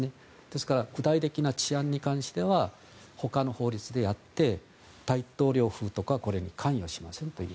ですから具体的な治安に関しては他の法律でやって大統領府とかはこれに関与しませんと。